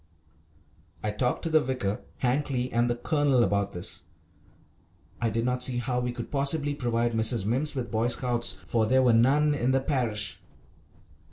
I talked to the vicar, Hankly, and the Colonel about this. I did not see how we could possibly provide Mrs. Mimms with Boy Scouts, for there were none in the parish.